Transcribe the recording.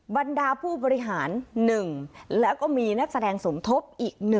บรรดาผู้บริหาร๑แล้วก็มีนักแสดงสมทบอีก๑